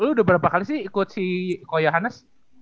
lo udah berapa kali sih ikut si ko yohanes